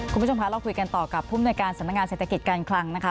คุณผู้ชมคะเราคุยกันต่อกับผู้มนวยการสำนักงานเศรษฐกิจการคลังนะคะ